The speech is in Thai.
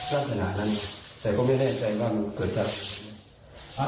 นักษณะนั้นแต่ก็ไม่ได้เจ๋งกันเกิดจาก